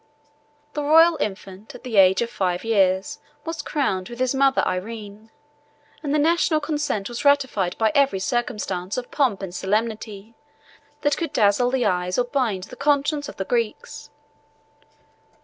The royal infant, at the age of five years, was crowned with his mother Irene; and the national consent was ratified by every circumstance of pomp and solemnity, that could dazzle the eyes or bind the conscience of the Greeks.